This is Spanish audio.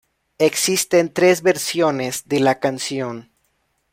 Existen tres versiones de la canción.